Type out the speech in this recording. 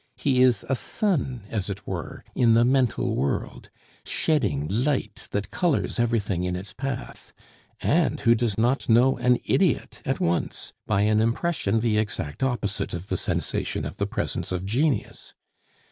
He is a sun, as it were, in the mental world, shedding light that colors everything in its path. And who does not know an idiot at once by an impression the exact opposite of the sensation of the presence of genius?